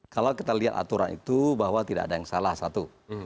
kalau kita lihat aturan itu bahwa tidak ada yang salah satu